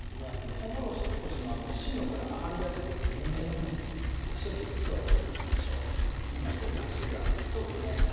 とうもろこしの芯のほうから甘みがでてくるので一緒にきょうは炊いていきましょういいだしがそうですね